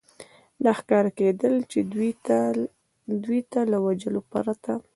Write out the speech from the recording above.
دا ښکاره کېدل، چې دوی ته له وژلو پرته.